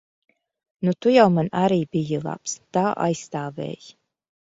Nu, tu jau man arī biji labs. Tā aizstāvēji.